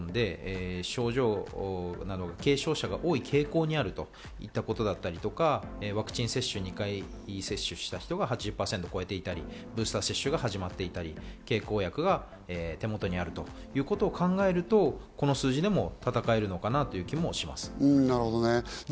ただ今回、オミクロンは軽症者が多い傾向にあるといったことだったり、ワクチン接種、２回接種した人が８０％を超えていたりブースター接種が始まっていたり、経口薬が手元にあるということを考えると、この数字でも闘えるのかなという気もします。